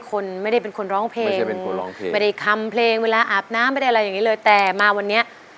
ของตัวนี้